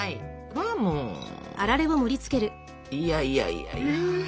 いやいやいやいや。